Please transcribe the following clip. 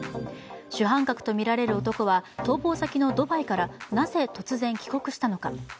主犯格とみられる男は逃亡先のドバイからなぜ、突然帰国したのか。